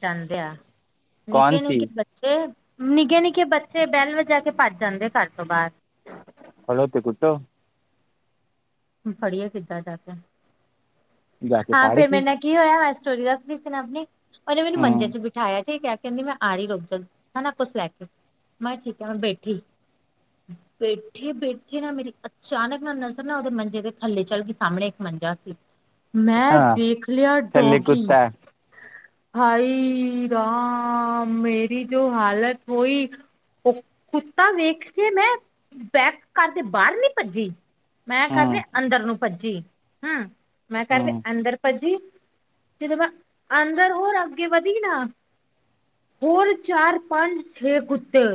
ਜਾਂਦੇ ਆ। ਨਿੱਕੇ -ਨਿੱਕੇ ਤੇ ਨਿੱਘਕੇ- ਨਿੱਕੇ ਬੱਚੇ ਬੇਲ ਵਜਾ ਕੇ ਭੱਜ ਜਾਂਦੇ ਘਰ ਤੋਂ ਬਾਹਰ। ਫੜੋ ਤੇ ਕੁਟੋ। ਫੜੀਏ ਕਿੱਦਾਂ ਜਾਂ ਕੇ। ਹਾਂ, ਫੇਰ ਮੇਰੇ ਨਾਲ ਕੀ ਹੋਇਆ ਮੈਂ ਸਟੋਰੀ ਦੱਸ ਰਹੀ ਸੀ ਨਾ ਆਪਣੀਂ। ਉਹਨੇ ਮੈਨੂੰ ਮੰਜੇ ਚ' ਬਿਠਾਈਆਂ ਠੀਕ ਹੈ, ਕਹਿੰਦੀ ਮੈਂ ਆ ਰਹੀ ਰੁੱਕ ਜਾ, ਹਨਾ, ਕੁੱਛ ਲੈ ਕੇ। ਮੈਂ ਠੀਕ ਬੈਠੀ ਬੈਠੇ- ਬੈਠੇ ਨਾ ਮੇਰੀ ਅਚਾਨਕ ਨਾ ਨਜ਼ਰ ਨਾਂ ਉਹਦੇ ਮੰਜੇ ਦੇ ਥੱਲੇ ਚੱਲ ਗਈ ਸਾਹਮਣੇ ਇੱਕ ਮੰਜਾ ਸੀ। ਮੈਂ ਹਾਂ ਵੇਖ ਲਿਆਂ ਥੱਲੇ ਡੌਗੀ। ਕੁੱਤਾ ਹੈ। ਹਾਈ! ਰਾਮ, ਮੇਰੀ ਜੋ ਹਾਲਤ ਹੋਈ। ਉਹ ਕੁੱਤਾ ਵੇਖ ਕੇ ਮੈਂ, ਬੈਕ ਕਰਕੇ ਬਾਹਰ ਨੀਂ ਭੱਜੀਂ। ਮੈਂ ਘਰ ਦੇ ਹੂੰ ਅੰਦਰ ਨੂੰ ਭੱਜੀ, ਹੂ, ਮੈਂ ਘਰ ਦੇ ਹੂੰ ਅੰਦਰ ਭੱਜੀ। ਜਦੋਂ ਮੈਂ ਅੰਦਰ ਹੋਰ ਅੱਗੇ ਵਧੀ ਨਾਂ ਹੋਰ ਚਾਰ- ਪੰਜ -ਛੇ ਕੁੱਤੇ।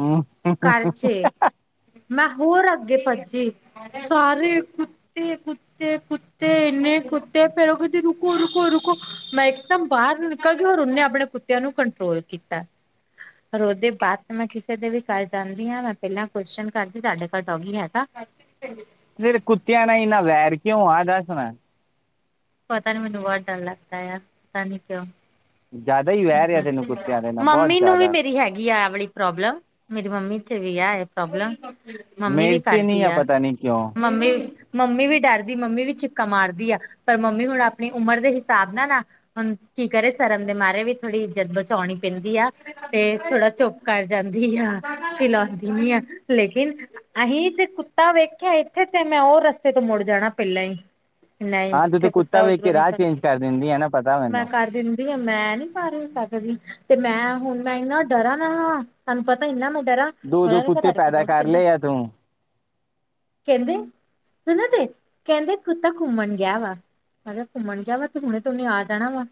ਹੂ ਘਰ ਚੇ, ਮੈਂ ਹੋਰ ਅੱਗੇ ਭੱਜੀ, ਸਾਰੇ ਤੇ ਕੁੱਤੇ -ਕੁੱਤੇ ਇੰਨੇ ਕੁੱਤੇ ਫੇਰ ਉਹ ਕਹਿੰਦੀ ਰੁਕੋ- ਰੁਕੋ -ਰੁਕੋ, ਮੈਂ ਇੱਕਦਮ ਬਾਹਰ ਹੋਰ ਉਹਨੇ ਆਪਣੇ ਕੁੱਤਿਆਂ ਨੂੰ ਕੰਟਰੋਲ ਕੀਤਾ। ਹੋਰ ਉਹਦੇ ਬਾਅਦ ਮੈਂ ਕਿਸੇ ਦੇ ਵਿੱਚ ਘਰ ਜਾਂਦੀ ਹਾਂ। ਮੈਂ ਪਹਿਲਾਂ ਕੁਸ਼ਚਨ ਕਰਦੀ ਤੁਹਾਡੇ ਕੋਲ ਡੋਗੀ ਹੈਗਾ? ਫਿਰ ਕੁੱਤਿਆਂ ਨਾਲ ਹੀ ਨਾ ਵੈਰ ਕਿਉਂ ਆ ਦੱਸ ਨਾ? ਪਤਾ ਨੀ ਮੈਨੂੰ ਬਹੁਤ ਡਰ ਲੱਗਦਾ ਆ ਪਤਾ ਨੀ ਕਿਉਂ? ਜ ਜ਼ਿਆਦਾ ਹੀ। ਵੈਰ ਆ ਤੈਨੂੰ ਕੁੱਤਿਆਂ ਦੇ ਨਾਲ ਬਹੁਤ ਮੰਮੀ ਨੂੰ ਵੀ ਜ਼ਿਆਦਾ ਮੇਰੀ ਹੈਗੀ ਆ ਆਵਲੀ। ਪ੍ਰੋਬਲਮ, ਮੇਰੀ ਮੰਮੀ ਤੇ ਵੀ ਆ ਹੈ ਪ੍ਰੋਬਲਮ। ਮੰਮੀ ਵੀ ਮੇਰੇ ਚ ਨਹੀਂ ਕਰਦੀ ਆ। ਪਤਾ ਨਹੀਂ ਕਿਉਂ ਮੰਮੀ ਮੰਮੀ ਵੀ ਡਰਦੀ, ਮੰਮੀ ਵੀ ਚਿੱਕਾ ਮਾਰਦੀ ਆਂ, ਪਰ ਮੰਮੀ ਹੁਣ ਆਪਣੀ ਉਮਰ ਦੇ ਹਿਸਾਬ ਨਾਲ ਨਾਂ ਹੁਣ ਕੀ ਕਰੇਂ, ਸਰਮ ਦੇ ਮਾਰੇਂ ਵੀ ਥੋੜ੍ਹੀ ਇੱਜ਼ਤ ਬਚਾਉਣੀ ਪੈਂਦੀ ਆ। ਤੇ ਥੋੜਾ ਚੁੱਪ ਕਰ ਜਾਂਦੀ ਆ, ਬੁਲਾਉਂਦੀ ਨੀਂ ਆ। ਲ਼ੇਕਿਨ ਅਸੀਂ ਤੇ ਕੁੱਤਾ ਵੇਖਿਆਂ ਇੱਥੇ ਤੇ ਮੈਂ ਉਹ ਰਸਤੇ ਤੋਂ ਮੁੜ ਜਾਣਾਂ ਪਹਿਲਾਂ ਹੀ। ਨਹੀਂ, ਹਾਂ ਤੂੰ ਤੇ ਜਿੱਥੇ ਕੁੱਤਾ ਵੇਖ ਉੱਧਰੋਂ ਕੇ ਨੀਂ ਰਾਹ ਚੇਂਜ ਕਰ ਦਿੰਦੀ ਹੈ ਨਾ ਪਤਾ ਮੈਂ ਮੈਨੂੰ ਕਰ ਦਿੰਦੀ ਆਂ ਮੈਂ ਨੀਂ। ਪਰ ਮੈਂ ਸਕਦੀ, ਤੇ ਮੈਂ ਹੁਣ ਮੈਂ ਇੰਨਾ ਡਰਾਂ ਨਾ, ਹਾਂ ਤੁਹਾਨੂੰ ਪਤਾਂ ਇੰਨਾਂ ਮੈਂ ਡਰਾਂ ਦੋ ਦੋ ਕੁੱਤੇ ਪੈਦਾ ਕਰ ਲਏ ਆ ਤੂੰ [unintelligible] ਤੇ ਕਹਿੰਦੇ, ਕੁੱਤਾ ਘੁੰਮਣ ਗਿਆਂ ਵਾ। ਮੈਂ ਕਿਹਾ, ਘੁੰਮਣ ਗਿਆਂ ਵਾ ਤੇ ਹੁਣੇ ਤ ਉਹਨੇ ਆ ਜਾਣਾਂ ਵਾ।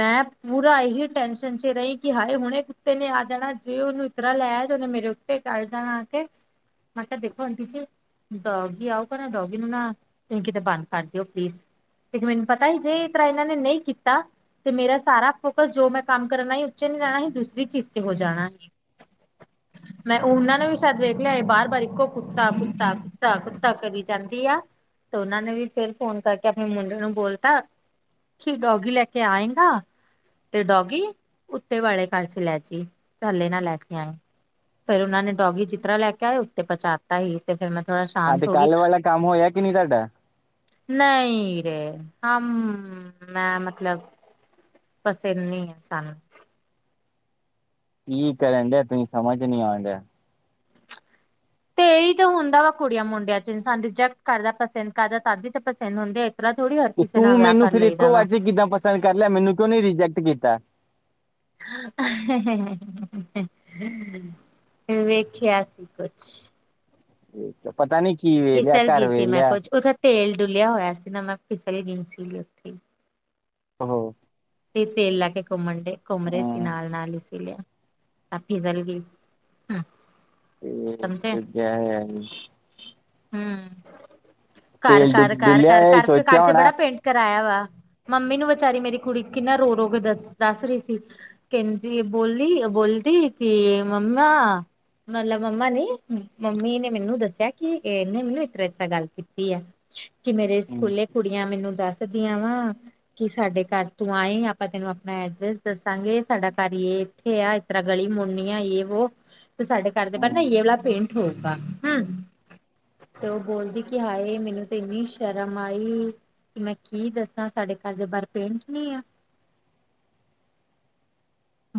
ਮੈਂ ਪੂਰਾ ਇਹੀ ਟੈਨਸ਼ਨ ਚ ਰਹੀਂ ਕਿ ਹਾਏ ਹੁਣੇ ਕੁੱਤੇ ਨੇ ਆ ਜਾਣਾ, ਜੇ ਉਹਨੂੰ ਇਤਰਾ ਲੈ ਆਏਂ ਤੇ ਉਹਨੇ ਮੇਰੇ [inaudible] [unintelligible] ਡੋਗੀ ਆਓਗਾ ਨਾ ਡੋਗੀ ਨੂੰ ਨਾ, ਤੁਸੀਂ ਕਿਤੇ ਬੰਦ ਕਰ ਦਿਓ ਪਲੀਜ਼। ਤੇ ਮੈਨੂੰ ਪਤਾ ਹੀ, ਜੇ ਤਰ੍ਹਾਂ ਇਹਨਾਂ ਨੇ ਨਹੀਂ ਕੀਤਾ ਤੇ ਮੇਰਾ ਸਾਰਾ ਫੋਕਸ, ਜੋ ਮੈਂ ਕੰਮ ਕਰਨਾ ਆਈ ਉਥੇ ਨਹੀਂ ਜਾਣਾ ਸੀ, ਦੂਸਰੀ ਚੀਜ਼ ਚ ਹੋ ਜਾਣਾ ਸੀ। [inaudible] [unintelligible] ਮੈਂ ਉਹਨਾਂ ਨੂੰ ਵੀ ਸ਼ਾਇਦ ਵੇਖ ਲਿਆਂ ਬਾਰ, ਬਾਰ ਇੱਕੋ ਕੁੱਤਾ ਕੁੱਤਾ, ਕੁੱਤਾ, ਕੁੱਤਾ ਕਰੀਂ ਜਾਂਦੀ ਆ। ਤੇ ਉਹਨਾਂ ਨੇ ਵੀ ਫੇਰ ਫੋਨ ਕਰਕੇ ਆਪਣੇ ਮੁੰਡੇ ਨੂੰ ਬੋਲਤਾ ਕਿ ਡੋਗੀ ਲੈ ਕੇ ਆਏ ਗਾਂ? ਤੇ ਡੋਗੀ, ਉੱਤੇ ਵਾਲੇ ਘਰ ਚ ਲੈ ਜੀ ਹੱਲੇ ਨਾ ਲੈ ਕੇ ਆਈਂ। ਫੇਰ ਉਹਨਾਂ ਨੇ ਡੋਗੀ, ਜਿਸ ਤਰ੍ਹਾਂ ਲੈ ਕੇ ਆਏ ਉਸ ਤਰ੍ਹਾਂ ਪਹੁੰਚਾ ਦਿੱਤਾ। ਤਾਂ ਹੀ, ਤੇ ਫਿਰ ਮੈਂ ਥੋੜਾ ਆ ਤੇ ਸ਼ਾਂਤ ਹੋ ਗਈਂ। ਕੱਲ ਵਾਲਾ ਕੰਮ ਹੋਇਆ ਕਿ ਨਹੀਂ ਤੁਹਾਡਾ ਨਹੀਂ ਰੇ, ਹਮ ਮੈਂ, ਮਤਲਬ। ਬਸ, ਇਨ੍ਹਾਂ ਹੀਂ ਸਾਨ। ਕੀ ਕਰਨ ਰਹੇ? ਤੁਸੀਂ ਸਮਝ ਨਹੀਂ ਆ ਰਿਹਾ। ਤੇ ਇੱਹੀ ਤੇ ਹੁੰਦਾਂ ਵਾ ਕੁੜੀਆਂ ਮੁੰਡਿਆਂ ਚ, ਇਨਸਾਨ ਰਿਜੈਕਟ ਕਰਦਾਂ, ਪਸੰਦ ਕਰਦਾਂ ਤਦੀ ਤੇ ਪਸੰਦ ਹੁੰਦੇ। ਥੋੜੀ [unintelligible] ਤੇ, ਤੂੰ ਮੈਨੂੰ ਫਿਰ ਇੱਕੋ ਵਾਰ ਤੇ ਕਿੱਦਾਂ ਪਸੰਦ ਕਰ ਲਿਆ, ਮੈਨੂੰ ਕਿਉ ਨਹੀਂ ਰਿਜੈਕਟ ਕੀਤਾ? ਹੈ, ਹੈ, ਹੈ, ਵੇਖਿਆਿ ਸੀ ਕੁਛ। ਪਤਾ ਨੀ ਕੀ ਵੇ ਲਿਆ, ਫਿਸਲ ਗਈ ਘਰ ਸੀ ਵੇਹ ਮੈਂ ਲਿਆ। ਕੁੱਝ ਉਹਦਾ ਤੇਲ ਡੁਲਿਆ ਹੋਇਆ ਸੀ ਨਾ, ਮੈਂ ਫਿਸਲ ਗਈ ਸੀ ਉੱਥੇ। ਹਲੋ। ਤੇ ਤੇਲ ਲਾ ਕੇ ਘੁੰਮਣ ਡ ਘੁੰਮ ਰਹੇ ਸੀ, ਅ ਨਾਲ ਨਾਲ ਹੀ ਸੀ। ਤਾਂ ਫੀਜ਼ਲ ਗ ਹ [unintelligible] ਤੇ ਸਮਝੇ, ਦੂਜਾ ਹੁ। ਘਰ, ਤੇਲ ਡੁ ਘਰ, ਘਰ, ਡੁੱਲਿਆ ਘਰ ਹੋਇਆ ਕਰਕੇ ਘਰ ਸੋਚਿਆ ਚ ਹੋਣਾ ਬੜਾ ਪੇਂਟ ਕਰਾਇਆ ਵਾ, ਮੰਮੀ ਨੂੰ ਵਿਚਾਰੀ ਮੇਰੀ ਕੁੜੀ ਕਿੰਨਾ ਰੋ, ਰੋ ਕੇ ਦੱਸ ਦੱਸ ਰਹੀ ਸੀ। ਕਹਿੰਦੀ, ਬੋਲੀ ਬੋਲਦੀ ਕਿ ਮੰਮਮਾ। ਮਤਲਬ ਮੰਮਾ ਨੇ, ਮੰਮੀ ਨੇ ਮੈਨੂੰ ਦੱਸਿਆ ਕਿ ਇਹਨੇ ਮੈਨੂੰ ਇਸ ਤਰ ਇਸ ਤਰ੍ਹਾਂ ਗੱਲ ਕੀਤੀ ਆ। ਕਿ ਮੇਰੇ ਸਕੂਲੇ ਕੁੜੀਆਂ ਮੈਨੂੰ ਦੱਸਦੀਆਂ ਵਾ ਕਿ ਸਾਡੇ ਘਰ ਤੂੰ ਆਈ, ਆਪਾਂ ਤੈਨੂੰ ਆਪਣਾਂ ਐਡਰੈਸ ਦੱਸਾਂਗੇ, ਸਾਡਾ ਘਰ ਯ ਇੱਥੇ ਆ, ਇਸ ਤਰ੍ਹਾਂ ਗਲ਼ੀ ਮੁੱੜਨੀ ਆ ਯੇ ਉਹ ਤੇ ਸਾਡੇ ਘਰ ਦੇ ਬਾਰ ਨਾ ਹੂੰ ਇਹ ਵਾਲਾ ਪੇਂਟ ਹੋਊਗਾ, ਹਮ। ਤੇ ਉਹ ਬੋਲਦੀ ਕਿ ਹਾਏ, ਮੈਨੂੰ ਤੇ ਇੰਨੀ ਸ਼ਰਮ ਆਈ। ਮੈਂ ਕੀ ਦੱਸਾਂ ਸਾਡੇ ਘਰ ਦੇ ਬਾਹਰ, ਪੇਂਟ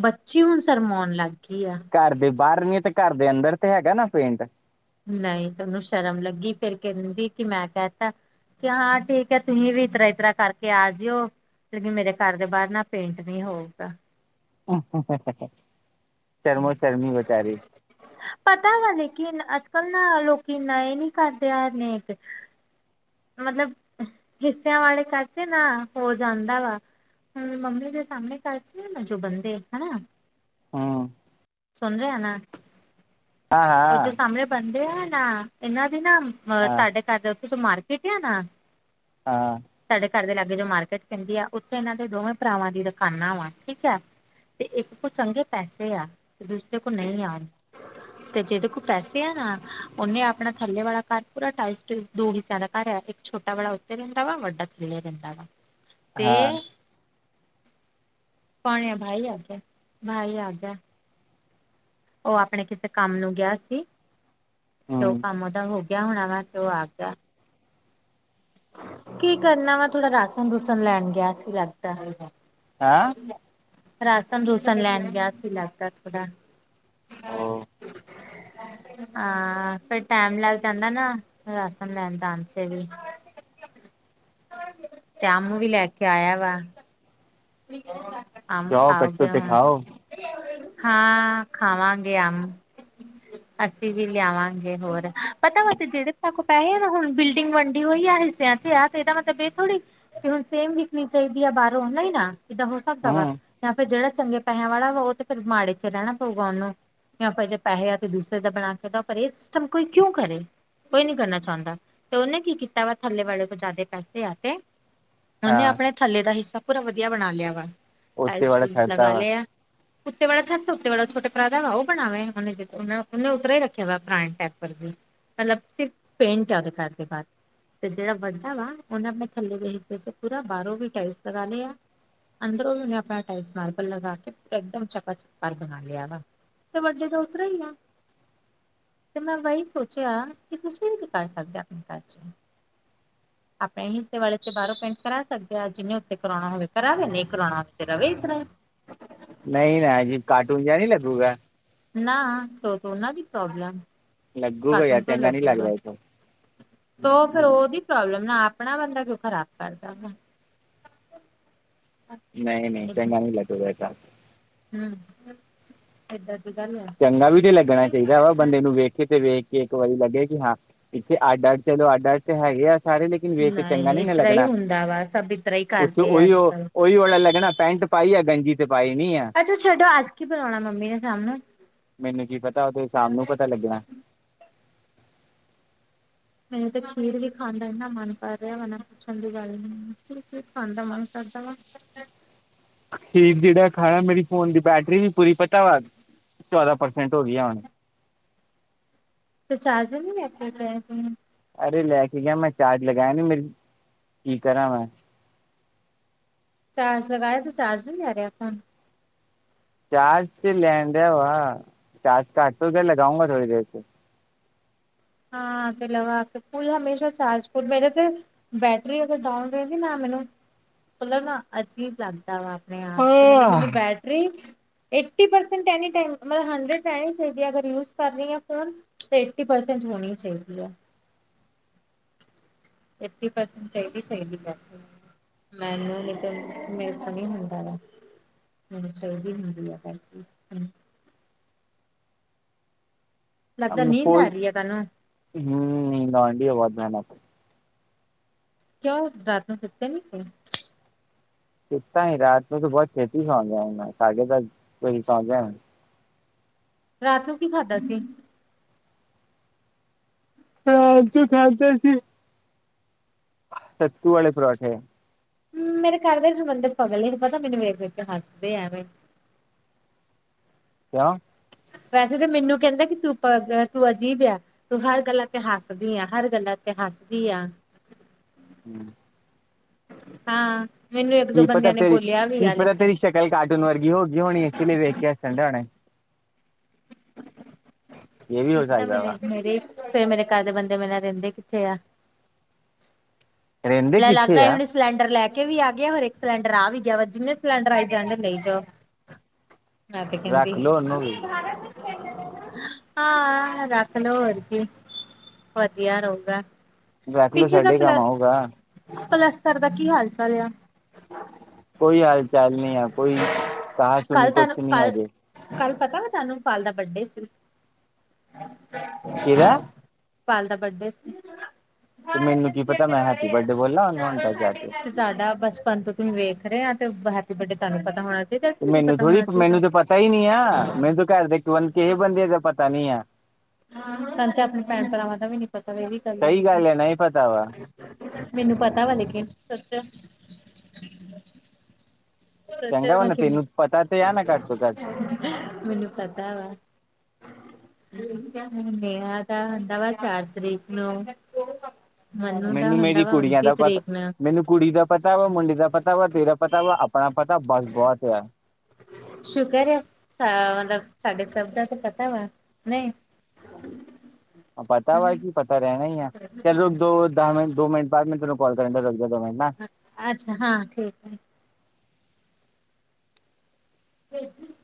ਬੱਚੀ, ਹੁਣ ਸ਼ਰਮਾਉਣ ਲੱਗ ਗਈ ਆਂ। ਘਰ ਦੇ ਬਾਹਰ ਨੀ ਤੇ ਘਰ ਦੇ ਅੰਦਰ ਤੇ ਹੈਗਾ ਨਾ ਪੇਂਟ। ਨਹੀਂ, ਤ ਉਹਨੂੰ ਸ਼ਰਮ ਲੱਗੀ ਫੇਰ ਕਹਿੰਦੀ ਕਿ ਮੈਂ ਕਹਿ ਤਾਂ ਕਿ ਹਾਂ, ਠੀਕ ਹੈ ਤੁਸੀਂ ਵੀ ਇਸਤਰ੍ਹਾਂ, ਇਸਤਰ੍ਹਾਂ ਕਰਕੇ ਆ ਜਿਓਂ। ਲੇਕਿਨ, ਮੇਰੇ ਘਰ ਦੇ ਬਾਹਰ ਨਾ ਪੇਂਟ ਨਹੀਂ ਹੋਊਗਾ। ਸ਼ਰਮੋ, ਸ਼ਰਮੀ ਬੇਚਾਰੀ। ਪਤਾ ਵਾ ਲੇਕਿਨ, ਅੱਜ ਕੱਲ ਨਾ ਲੋਕੀਂ ਇੰਨਾ ਇਹ ਨੀ ਕਰਦੇਂ। ਮਤਲਬ ਹਿੱਸਿਆਂ ਵਾਲੇ ਖਰਚੇ ਨਾ ਹੋ ਜਾਂਦਾ ਵਾ। ਮੰਮੀ ਦੇ ਸਾਹਮਣੇ ਤਾਂ ਅਚ ਮ ਜੋ ਬੰਦੇ ਹਨ। ਹਾਂ। ਸੁਣ ਰਿਹਾ ਨਾ? ਹਾਂ ਉਹ ਜੋ ਹਾਂ ਸਾਹਮਣੇ ਬੰਦੇ ਆ ਨਾ ਇਹਨਾਂ ਦੀ ਨਾ। ਅ ਹਾਂ ਤੁਹਾਡੇ ਘਰ ਦੇ ਉੱਥੇ ਚ ਮਾਰਕੀਟ ਆ ਨਾ। ਹਾਂ। ਸਾਡੇ ਘਰ ਦੇ ਲਾਗੇ ਜੋ ਮਾਰਕੀਟ ਪਹਿੰਦੀ ਆ, ਉੱਥੇ ਇਹਨਾਂ ਦੇ ਦੋਵੇਂ ਭਰਾਵਾਂ ਦੀ ਦੁਕਾਨਾਂ ਵਾ ਠੀਕ ਆ। ਤੇ ਇੱਕ ਕੋਲ ਚੰਗੇ ਪੈਸੇ ਆ ਤੇ ਦੂਸਰੇ ਕੋਲ ਨਹੀਂ ਆ। ਤੇ ਜਿਹਦੇ ਕੋਲ ਪੈਸੇ ਆ ਨਾ ਉਹਨੇ, ਆਪਣਾ ਥੱਲੇ ਵਾਲਾ ਘਰ ਪੂਰਾ ਟਾਈਟ। ਦੋ ਕਿੱਸਿਆਂ ਦਾ ਘਰ ਆ ਇੱਕ ਛੋਟਾ ਵਾਲਾ ਉੱਤੇ ਰਹਿੰਦਾ ਵਾ, ਵੱਡਾ ਥੱਲੇ ਰਹਿੰਦਾ ਵਾ, ਤੇ ਹਾਂ ਭਣ ਆ ਭਾਈ ਆਗ ਭਾਈ ਆਗਿਆ। ਉਹ ਆਪਣੇ ਕਿਸੇ ਕੰਮ ਨੂੰ ਗਿਆ ਸੀ ਤੇ ਉਹ ਹੂੰ ਕੰਮ ਉਹਦਾ ਹੋ ਗਿਆ ਹੋਣਾ ਵੇ, ਤੇ ਉਹ ਆ ਗਿ ਆ ਕੀ ਕਰਨਾ ਵਾ ਥੋੜਾ ਰਾਸ਼ਨ -ਰੂਸਨ ਲੈਣ ਗਿਆ ਸੀ ਲੱਗਦਾ। [unintelligible] ਹਾਂ [unintelligible] ਰਾਸ਼ਨ-ਰੂਸ਼ਨ ਲੈਣ ਗਿਆ ਸੀ ਲੱਗਦਾ ਥੋੜਾ ਹਾਂ। ਹਾਂ, ਫਿਰ ਟੈਮ ਲੱਗ ਜਾਂਦਾ ਨਾਂ ਰਾਸ਼ਨ ਲੈਣ ਜਾਣ ਚ ਵੀ ਤੇ ਅੰਮ ਨੂੰ ਵੀ ਲੈ ਕੇ ਆਇਆ ਵਾ। [unintelligible] ਅੰਬ ਜਾਓ ਕੱਟੋ ਖਾਓਗੇ ਤੇ ਹੁਣ? ਖਾਓ ਹਾਂ, ਖਾਵਾਂਗੇ ਅੰਮ। [inaudible] ਅਸੀਂ ਵੀ ਲਿਆਵਾਂਗੇ ਹੋਰ, ਪਤਾ ਵ ਤੇ ਜਿਹੜੇ ਤਾਕੋ ਪੈਸੇ ਨਾ ਹੁਣ ਬਿਲਡਿੰਗ ਵੰਡੀ ਹੋਈ ਆ ਹਿੱਸਿਆਂ ਚ ਯ ਇਹਦਾ ਮਤਲਬ ਇਹ ਥੋੜ੍ਹੀ ਕਿ ਹੁਣ ਸੇਮ ਵਿਕਣੀ ਚਾਹੀਦੀ ਆ ਬਾਹਰੋਂ ਨਹੀਂ ਨਾਂ? ਇੱਦਾਂ ਹੋ ਸਕਦਾ ਵਾ ਹੂੰ ਜਾਂ ਫਿਰ ਜਿਹੜਾ ਚੰਗੇ ਪੈਹਿਆਂ ਵਾਲਾ ਵਾ ਉਹ ਤੇ ਫੇਰ ਮਾੜੇ ਚ ਰਹਿਣਾ ਪਊਗਾ ਉਹਨੂੰ! ਜਾਂ ਫਿਰ ਜੇ ਪੈਸੇ ਆ ਤੇ ਦੂਸਰੇ ਦਾ ਬਣਾ ਕੇ ਦ ਪਰ ਇਹ ਸਿਸਟਮ ਕੋਈ ਕਿਉਂ ਕਰੇ? ਕੋਈ ਨੀਂ ਕਰਨਾ ਚਾਹੁੰਦਾ ਤੇ ਉਹਨੇਂ ਕੀ ਕੀਤਾ ਵਾ ਥੱਲੇ ਵਾਲੇ ਕੋਲ ਜ਼ਿਆਦਾ ਪੈਸੇ ਆ ਤੇ। ਉਹਨੇ ਹਾਂ ਆਪਣੇ ਥੱਲੇ ਦਾ ਹਿੱਸਾ ਪੂਰਾ ਵਧੀਆ ਬਣਾ ਲਿਆ ਵਾ, ਉੱਤੇ ਟਾਇਲਸ ਵਾਲਾ ਟੂਲਸ ਛੱਡਦਾ ਲਗਾ ਵਾ ਲਏ ਆ। ਉੱਤੇ ਵਾਲਾ ਸਭ ਤੋਂ ਉੱਤੇ ਵਾਲਾ ਛੋਟੇ ਭਰਾ ਦਾ ਵਾ ਉਹ ਬਣਾਵੇ ਉਹਨੇ ਉਤਰਾਂ ਈ ਰਖਿਆ ਵਾ ਪਰਾਣੇ ਟਾਈਪ ਮਤਲਬ ਸਿਰਫ਼ ਪੇਂਟ ਉਹਦੇ ਘਰ ਦੇ ਬਾਹਰ। ਤੇ ਜਿਹੜਾ ਵੱਡਾ ਵਾ ਉਹਨੇ ਆਪਣੇ ਥੱਲੇ ਦੇ ਹਿੱਸੇ ਚ ਪੂਰਾ ਬਾਹਰੋਂ ਵੀ ਟੈਲਸ ਲਗਾ ਲੇ ਆ। ਅੰਦਰੋਂ ਵੀ ਆਪਣਾ ਟਾਈਲਸ ਮਾਰਬਲ ਲਗਾ ਕੇ ਇੱਕਦਮ ਚਕਾ ਚਕ ਬਣਾ ਲਿਆ ਵਾ। ਤੇ ਵੱਡੇ ਤਾਂ ਉਦੇਰਾ ਈ ਆ। ਤੇ ਮੈਂ ਬਾਈ ਸੋਚਿਆ ਕਿ ਤੁਸੀਂ ਵੀ ਕੀ ਕਰ ਸਕਦੇ ਹੋ। ਆਪਣੇ ਘਰ ਚ। ਆਪਣੇ ਹਿੱਸੇ ਵਾਲੇ ਚ ਬਾਹਰੋਂ ਪੇਂਟ ਕਰਾ ਸਕਦੇ ਆ। ਜਿੰਨੇ ਉੱਤੇ ਕਰਵਾਉਣਾ ਹੋਵੇ। ਕਰਾਂਵੇ ਨਹੀਂ ਕਰਾਉਣਾ ਫੇਰ ਰਵੇ ਇਤਰਾਂ ਈ। ਨਈਂ, ਨਾਂ ਜੀ। ਕਾਰਟੂਨ ਜਿਆ ਨੀਂ ਲੱਗੂਗਾ। ਨਾ ਤੋਂ ਦੋਨਾਂ ਦੀ ਪ੍ਰੋਬਲਮ ਲੱਗੂਗਾ ਕਾਰਟੂਨ ਯਾਰ ਕਿਉਂ ਚੰਗਾ ਨਹੀਂ ਲੱਗੂਗਾ। ਲੱਗਦਾ ਇਹ ਤਾਂ ਤੇ ਉਹ ਫ਼ੇਰ ਉਹਦੀ ਪ੍ਰੋਬਲਮ ਨਾਂ ਆਪਣਾ ਬੰਦਾ ਕਿਉਂ ਖ਼ਰਾਬ ਕਰਦਾ ਵਾ। ਨਹੀਂ ਨਹੀਂ ਚੰਗਾ ਨਹੀਂ ਲੱਗ ਵੈਸਾ ਹਂ, ਏਦਾਂ ਦੀ ਗੱਲ ਆ ਚੰਗਾ ਵੀ ਤੇ ਲੱਗਣਾ ਚਾਹੀਦਾ ਵਾ ਬੰਦੇ ਨੂੰ ਵੇਖੇ ਤੇ ਵੇਖ ਕੇ ਇੱਕ ਵਾਰੀ ਲੱਗੇ ਕਿ ਹਾਂ! ਇੱਥੇ ਅੱਡ ਆ, ਚਲੋ ਅੱਡ-ਅੱਡ ਤੇ ਹੈਗੇ ਆ ਸਾਰੇ ਲੇਕਿ ਵੇਚ ਚੰਗਾ ਨਹੀਂ ਨੀਂ ਇਸ ਨਾਂ ਤਰ੍ਹਾਂ ਹੀ ਲੱਗਣਾ, ਹੁੰਦਾ ਵਾ ਸਭ ਇਸ ਤਰ੍ਹਾਂ ਹੀ ਉੱਥੇ ਕਰਦੇ ਆ ਉਹੀ ਅੱਜ ਕੱਲ ਉਓਹੀ ਵਾਲਾ ਲੱਗਣਾ ਪੈਂਟ ਪਾਈ ਆ ਗੰਜੀ ਤੇ ਪਾਈ ਨੀ ਆ। ਅੱਜ ਛੱਡੋ ਅੱਜ ਕੀ ਬੁਲਾਉਣਾ ਮੰਮੀ ਨੇ ਸ਼ਾਮ ਨੂੰ? ਮੈਨੂੰ ਕੀ ਪਤਾ ਉਹ ਤੇ ਸ਼ਾਮ ਨੂੰ ਪਤਾ ਲੱਗਣਾ। ਮੈਨੂੰ ਤਾਂ ਖੀਰ ਵੀ ਖਾਣ ਦਾ ਇਨਾੰ ਮਨ ਕਰ ਰਿਹਾ ਵਾ ਨਾਂ ਪੁੱਛਣ ਦੀ ਗੱਲ ਨੀਂ। ਖੀਰ-ਖਾਣ ਦਾ ਮਨ ਕਰਦਾ ਵਾ? [inaudible] ਠੀਕ ਜਿਹੜਾ ਖਾਇਆ, ਮੇਰੀ ਫੋਨ ਦੀ ਬੈਟਰੀ ਵੀ ਪੂਰੀ ਪਤਾ ਵ ਚੌਦਾਂ ਪਰਸੈਂਟ ਹੋ ਗਈ ਹੁਣ ਤੁਸੀਂ ਚਾਰਜਿਰ ਨਹੀਂ ਲੈ ਕੇ ਗਏ ਸੀ। ਅਰੇ ਲੈ ਕੇ ਗਿਆ ਮੈਂ ਚਾਰਜ ਲਗਾਇਆ ਨੀਂ, ਮੈਂ ਕੀ ਕਰਾਂ ਮੈਂ। ਚਾਰਜ ਲਗਾਇਆ ਤੇ ਚਾਰਜ ਵੀ ਲੈ ਰਿਹਾ ਆਪਾਂ ਨੂੰ। ਚਾਰਜ ਚ ਲੈਣ ਡਿਆ ਵਾ, ਚਾਰਜ ਘੱਟ ਹੋਊਗਾ ਲਗਾਉ ਥੋੜੀ ਦੇਰ ਚ। ਹਾਂ ਤੇ ਲਵਾ ਕੇ ਫੂਲ ਹਮੇਸ਼ਾ ਚਾਰਜ ਮੇਰੇ ਤੇ। ਬੈਟਰੀ ਅਗਰ ਡਾਊਨ ਰਹੇਗੀ ਨਾਂ ਮੈਨੂੰ, ਮਤਲਬ ਨਾਂ ਅਜੀਬ ਲੱਗਦਾ ਵਾ। ਹਂ, ਆ ਤੂੰ ਮੈਨੂੰ, ਮੈਨੂੰ ਆਹ, battery. Eighty percent any time, ਮਤਲਬ ਹੰਡਰਡ ਰਹਿਣੀ ਚਾਹੀਦੀ ਆ। ਅਗਰ ਯੂਜ ਕਰ ਰਹੀ ਹਾ ਹੁਣ ਤਾਂ ਏਟੀ ਪਰਸੈਂਟ। ਇਹ ਚ ਹੋਣੀ ਚਾਹੀਦੀ ਆ। ਫਏਟੀ ਪਰਸੈਂਟ ਚਾਈਦੀ ਚਾਈਦੀ [unintelligible] ਮੈਨੂੰ ਨੀ ਤੇ ਮੇਰੇ ਤੋਂ ਨਹੀਂ ਹੁੰਦਾ ਗਾ। ਹੂੰ ਮੈਂਨੂੰ ਚਾਹੀਦੀ ਗੁੜੀਆਂ ਦਾ ਗਾ ਹੂੰ ਲੱਗਦਾ ਨੀਂਦ ਆ ਰਹੀ ਹੈ ਤੁਹਾਨੂੰ [unintelligible] ਕਿਉ ਰਾਤ ਨੂੰ ਸੁੱਤੇ ਨਈ ਸੀ? ਸੁੱਤਾ ਨਈ ਰਾਤ ਤਾਂ ਤੂੰ ਬਹੁਤ ਛੇਤੀ ਸੌ ਜਾਏਗਾ ਸਾਡੇ ਤਾਂ ਕੋਈ ਸੌ ਜਾਏ ਰਾਤ ਨੂੰ ਕੀ ਖਾਧਾ ਸੀ? ਪਰੋਂਠੇ ਖਾਂਦੇ ਸੀ। ਸੱਤੂ ਆਲੇ ਪਰਾਂਠੇ। ਹੂੰ ਮੇਰੇ ਘਰ ਦੇ ਵਿੱਚ ਬੰਦੇ ਪਾਗ਼ਲ ਨੇ ਪਤਾ ਮੈਨੂੰ ਵੇਖ-ਵੇਖ ਕੇ ਹੱਸਦੇ ਨੇ ਆਵੇ। ਕਿਉਂ? ਵੈਸੇ ਤਾਂ ਮੈਨੂੰ ਕਹਿੰਦਾ ਕਿ ਤੂੰ ਤੂੰ ਅਜੀਬ ਆ। ਤੂੰ ਹਰ ਗੱਲਾਂ ਤੇ ਹੱਸਦੀ ਆ, ਹਰ ਗੱਲਾਂ 'ਚ ਹੱਸਦੀ ਆ। ਹੂੰ। ਹਾਂ ਮੈਨੂੰ ਇੱਕ ਦੋ ਬੰਦਿਆਂ ਨੇ ਬੋਲਿਆ ਵੀ ਆ ਲੇਕਿਨ ਕੱਲ ਕਾਰਟੂਨ ਵਰਗੀ ਹੋ ਗਈ ਹੋਣੀ ਇਸ ਲਈ ਵੇਖ ਕੇ ਹੱਸਣ ਡੇਅ ਹੋਣੇ। ਕੀ ਪਤਾ ਮੇਰੇ-ਮੇਰੇ ਫੇਰ ਮੇਰੇ ਘਰ ਦੇ ਬੰਦੇ ਮੇਰੇ ਨਾਲ ਰਹਿੰਦੇ ਕਿੱਥੇ ਆ। ਰਹਿੰਦੇ ਲੈ ਲੱਗਦਾ ਕਿੱਥੇ ਹੈ ਆ ਹੁਣ ਇਸ ਸਿਲੰਡਰ ਲੈ ਕੇ ਵੀ ਆ ਗਿਆ ਹੋਰ ਇੱਕ ਸਿਲੰਡਰ ਆ ਵੀ ਗਿਆ ਵਾ ਜਿੰਨੇ ਸਿਲੰਡਰ ਆਈ ਜਾਂਣਦੇ ਲਈ ਜਾਓ। [inaudible] ਨਾ ਤੇ ਕਿੰਦੀ ਰੱਖ ਲੋ ਉਹਨੂੰ ਵੀ ਹਾਂ ਰੱਖ ਲਓ ਹੋਰ ਕੀ, ਵਧੀਆ ਰਹੁਗਾ। ਰੱਖ ਲੋ ਪਿੱਛੇ ਦਾ ਸਾਡੇ ਪ, ਕੰਮ ਆਊਗਾ ਪਲਸਤਰ ਦਾ ਕੀ ਹਾਲ ਚਾਲ ਆ? ਕੋਈ ਹਾਲ ਚਾਲ ਨਹੀਂ ਆਂ ਕੋਈ, ਕ ਸੁਣੀ ਕੱਲ ਕੁਛ ਤੁਹਾਨੂੰ ਨਹੀਂ ਕੱਲ ਅਜੇ ਕੱਲ ਪਤਾ ਵਾ ਤਾਨੂੰ ਪਾਲ ਦਾ ਬੱਡੇ ਸੀ? ਕਿਦਾ? ਪਾਲ ਦਾ ਬਰਡੇ ਸੀ ਤੇ ਹਾਂ ਮੈਨੂੰ ਕੀ ਪਤਾ ਸਡਰ ਮੈਂ ਹੈਪੀ ਵਾਲੇ ਆ ਬਰਥਡੇ ਬੋਲਾਂ ਉਹਨੂੰ ਆਪ ਹੁਣ ਸਾ ਤੱਕ ਜਾ ਕੇ [unintelligible] ਸਾਡਾ ਬਚਪਨ ਤੋਂ ਤੁਸੀਂ ਵੇਖ ਰਹੇ ਆਂ ਤੇ ਹੈਪੀ ਬਰਡੇ ਤੁਹਾਨੂੰ ਪਤਾ ਹੋਣਾ ਚਾਹੀਦਾ ਤੇ ਕਿ ਮੈਨੂੰ ਪਤਾ ਥੋੜੀ ਹੋਣਾ ਚਾਹੀਦਾ। ਮੈਨੂੰ ਤਾਂ ਪਤਾ ਹੀ ਨੀ ਆ ਮੈਨੂੰ ਤੇ ਘਰ ਦੇੰ ਕਿਸੇ ਬੰਦੇ ਦਾ ਪਤਾ ਨੀ ਆ। ਸਾਨੂੰ ਤੇ ਆਪਣੇ ਭੈਣ-ਭਰਾਵਾਂ ਦਾ ਵੀ ਨੀ ਪਤਾ ਆ ਸਹੀ ਲੇਕਿਨ ਗੱਲ ਐ ਨਹੀਂ ਪਤਾ ਵਾ। ਮੈਨੂੰ ਪਤਾ ਵਾ ਲੇਕਿਨ ਸੱਚ ਚੰਗਾ ਵਾਲਾ ਤੈਨੂੰ ਪਤਾ ਤੇ ਐ ਨਾ ਘੱਟ ਤੋਂ ਘੱਟ। ਮੈਨੂੰ ਪਤਾ ਵਾ ਹੂੰ। ਮੇਰਾ ਤਾਂ ਹੁੰਦਾ ਵਾ ਚਾਰ ਤਰੀਕ ਨੂੰ। ਮਨੂੰ ਦਾ ਮੈਨੂੰ ਹੁੰਦਾ ਮੇਰੀ ਵਾ ਕੁੜੀਆਂ ਉਨਤੀ ਦਾ ਪਤਾ। ਤਰੀਕ ਨੂੰ ਮੈਨੂੰ ਕੁੜੀ ਦਾ ਪਤਾ ਵਾ, ਮੁੰਡੇ ਦਾ ਪਤਾ ਵਾ, ਤੇਰਾ ਪਤਾ ਵਾ, ਆਪਣਾ ਪਤਾ ਬਸ ਬਹੁਤ ਆ। ਸ਼ੁਕਰ ਆ ਮਤਲਬ ਸਾਡੇ ਸਭ ਦਾ ਤਾਂ ਪਤਾ ਵਾ ਨਹੀਂ। [inaudible] ਪਤਾ ਵਾ ਹਨਾ। ਕੀ ਪਤਾ ਰਹਿਣਾ ਈਂ ਆਂ, ਚੱਲੋ ਦੋ ਦਸ ਮਿੰਟ ਦੋ ਮਿੰਟ ਬਾਅਦ ਮੈਂ ਤੈਨੂੰ [inaudible] ਲ ਕਰਨ ਦਾ ਰੱਗਦਾ ਨਾ [unintelligible] ਅੱਛਾ ਹਾਂ ਠੀਕ ਫ [unintelligible]